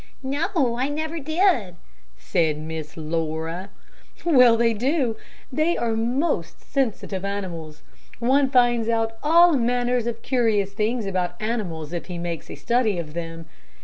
"No; I never did," said Miss Laura. "Well, they do. They are most sensitive animals. One finds out all manners of curious things about animals if he makes a study of them.